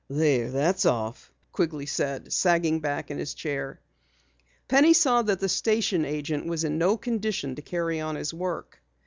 "There, that's off," Quigley said, sagging back in his chair. Penny saw that the station agent was in no condition to carry on his work.